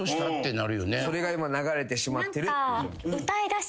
それが今流れてしまってる。